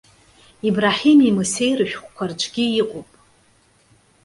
Ибраҳими Мысеи рышәҟәқәа рҿгьы иҟоуп.